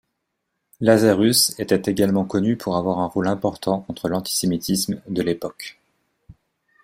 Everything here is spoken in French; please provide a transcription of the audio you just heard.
Lazarus était également connu pour avoir un rôle important contre l'antisémitisme de l'époque.